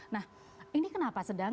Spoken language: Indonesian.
nah ini kenapa sedang